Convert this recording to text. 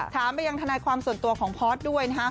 ถามไปยังธนายความส่วนตัวของพอร์ชด้วย